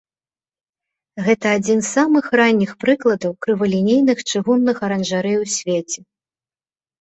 Гэта адзін з самых ранніх прыкладаў крывалінейных чыгунных аранжарэй у свеце.